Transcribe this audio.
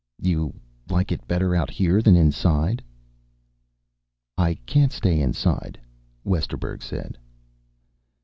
"You like it better out here than inside." "I can't stay inside," Westerburg said.